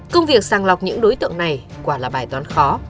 công việc sàng lọc những đối tượng này quả là bài toán khó